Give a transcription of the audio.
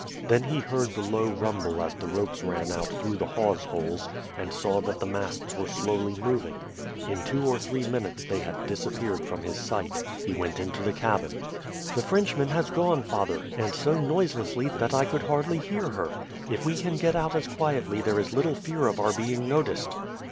Then he heard the low rumble as the ropes ran out through the hawse holes, and saw that the masts were slowly moving. In two or three minutes they had disappeared from his sight. He went into the cabin. "The Frenchman has gone, father; and so noiselessly that I could hardly hear her. If we can get out as quietly there is little fear of our being noticed."